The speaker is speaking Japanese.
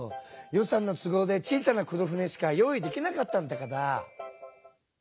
予算の都合で小さな黒船しか用意できなかったんだから。